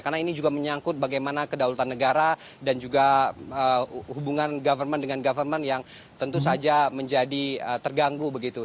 karena ini juga menyangkut bagaimana kedaulatan negara dan juga hubungan government dengan government yang tentu saja menjadi terganggu begitu